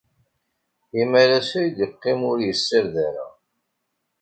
Imalas ay yeqqim ur yessared ara.